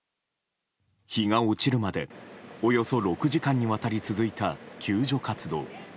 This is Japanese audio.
日が落ちるまでおよそ６時間にわたり続いた救助活動。